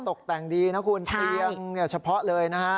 ตกแต่งดีนะคุณเตียงเฉพาะเลยนะฮะ